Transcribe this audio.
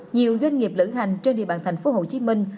nhiều doanh nghiệp lữ hành trên địa bàn thành phố hồ chí minh